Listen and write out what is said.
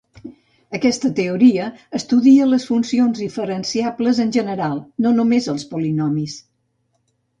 Aquesta teoria estudia les funcions diferenciables en general, no només els polinomis.